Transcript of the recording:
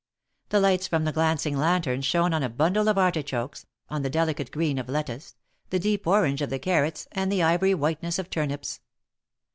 The lights from the glancing lanterns shone on a bundle of artichokes, on the delicate green of lettuce, the deep orange of the carrots and the ivory whiteness of turnips.